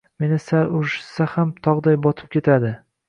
Meni sal urishishsa ham tog`day botib ketadi